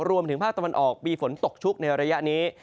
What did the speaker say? รวมถึงภาคตะวันออกมีฝนตกชุกในระยะนี้